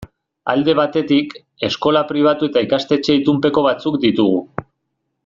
Alde batetik, eskola pribatu eta ikastetxe itunpeko batzuk ditugu.